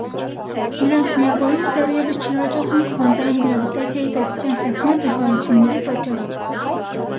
Նրանց միավորումը դեռևս չի հաջողվում քվանտային գրավիտացիայի տեսության ստեղծման դժվարությունների պատճառով։